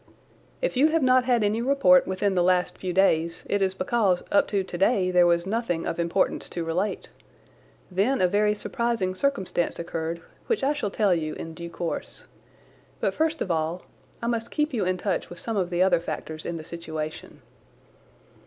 If you have not had any report within the last few days it is because up to today there was nothing of importance to relate. Then a very surprising circumstance occurred, which I shall tell you in due course. But, first of all, I must keep you in touch with some of the other factors in the situation.